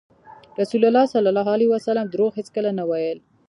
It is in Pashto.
رسول الله ﷺ دروغ هېڅکله نه ویل.